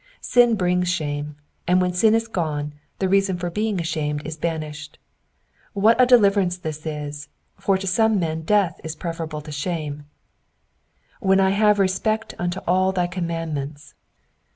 Sin brings shame, and when sin is gone, the reason for being ashamed is banished. What a de liverance this is, for to some men death is preferable to shame I ^''When I hate respect vnto all thy commandments.